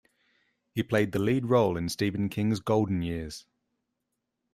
He played the lead role in Stephen King's "Golden Years".